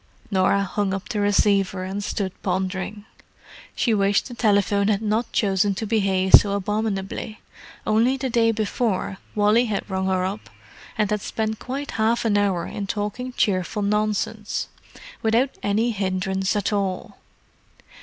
Norah hung up the receiver, and stood pondering. She wished the telephone had not chosen to behave so abominably; only the day before Wally had rung her up and had spent quite half an hour in talking cheerful nonsense, without any hindrance at all.